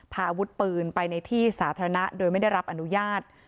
พาอาวุธปืนไปในที่สาธารณะโดยไม่ได้รับอนุญาต